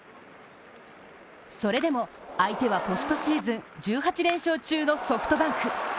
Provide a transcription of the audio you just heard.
それでも相手はポストシーズン１８連勝中のソフトバンク。